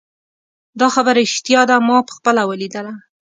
دا خبره ریښتیا ده ما پخپله ولیدله